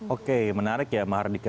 oke menarik ya maha hardika